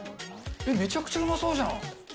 めちゃくちゃうまそうじゃん。